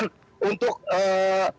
untuk keluar dari lokasi kejadian renard